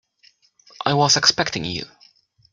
I was expecting you.